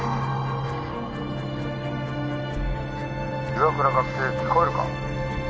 「岩倉学生聞こえるか？」。